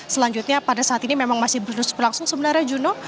selanjutnya pada saat ini memang masih berlangsung sebenarnya juno